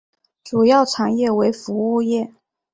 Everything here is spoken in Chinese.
主要产业为服务业。